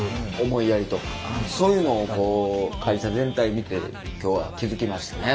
思いやりとかそういうのをこう会社全体見て今日は気付きましたね